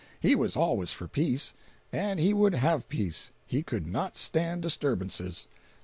He was always for peace, and he would have peace—he could not stand disturbances.